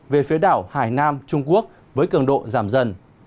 về phía đảo hải nam trung quốc với cường độ giảm dần